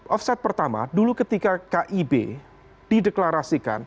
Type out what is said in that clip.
offset pertama dulu ketika kib dideklarasikan